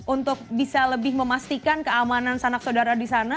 untuk bisa lebih memastikan keamanan sanak saudara di sana